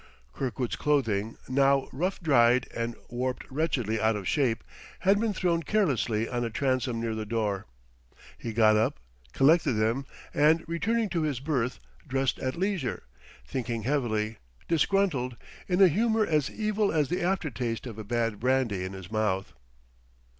Kirkwood's clothing, now rough dried and warped wretchedly out of shape, had been thrown carelessly on a transom near the door. He got up, collected them, and returning to his berth, dressed at leisure, thinking heavily, disgruntled in a humor as evil as the after taste of bad brandy in his mouth.